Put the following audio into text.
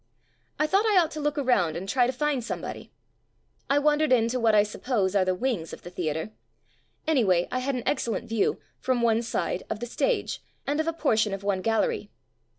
I thought I ought to look around and try to find somebody. I wandered into what I suppose are the "wings" of the theatre. Anjrway, I had an ex cellent view, from one side, of the stage, and of a portion of one galleiy.